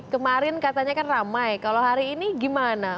kemarin katanya kan ramai kalau hari ini gimana